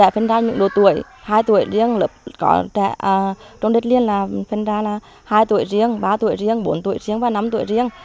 phần ra những đô tuổi hai tuổi riêng lớp có trại trong đất liền là phần ra là hai tuổi riêng ba tuổi riêng bốn tuổi riêng và năm tuổi riêng